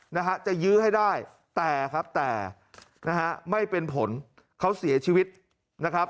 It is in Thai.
นะฮะจะยื้อให้ได้แต่ครับแต่นะฮะไม่เป็นผลเขาเสียชีวิตนะครับ